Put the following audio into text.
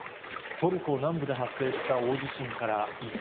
トルコ南部で発生した大地震